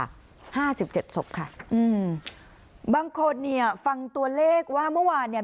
ห้าสิบเจ็ดศพค่ะอืมบางคนเนี่ยฟังตัวเลขว่าเมื่อวานเนี้ย